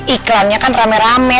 iklannya kan rame rame